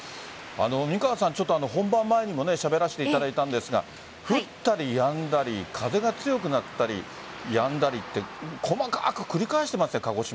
美川さん本番前にもしゃべらせていただいたんですが降ったりやんだり風が強くなったりやんだりって細かく繰り返していますね。